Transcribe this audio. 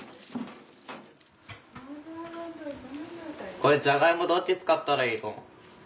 これジャガイモどっち使ったらいいと思う？